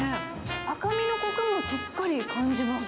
赤身のこくもしっかり感じます。